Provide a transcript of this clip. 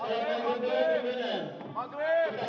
kita selalu berharap